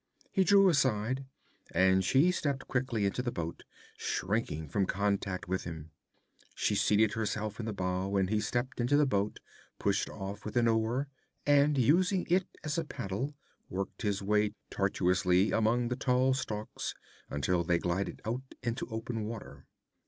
He drew aside, and she stepped quickly into the boat, shrinking from contact with him. She seated herself in the bow, and he stepped into the boat, pushed off with an oar, and using it as a paddle, worked his way tortuously among the tall stalks until they glided out into open water.